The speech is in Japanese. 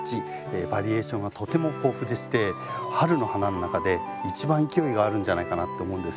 バリエーションがとても豊富でして春の花の中で一番勢いがあるんじゃないかなって思うんですよね。